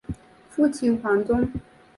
父亲黄中。